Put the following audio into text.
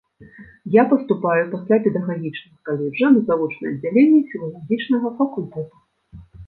Я паступаю пасля педагагічнага каледжа на завочнае аддзяленне філалагічнага факультэта.